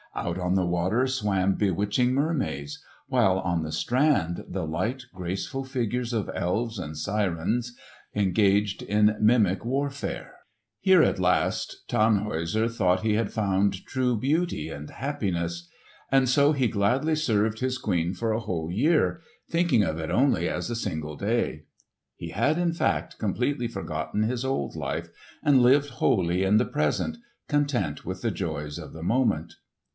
Out on the water swam bewitching mermaids; while on the strand the light graceful figures of elves and sirens engaged in mimic warfare. Here at last Tannhäuser thought he had found true beauty and happiness. And so he gladly served his queen for a whole year, thinking of it only as a single day. He had, in fact, completely forgotten his old life, and lived wholly in the present, content with the joys of the moment.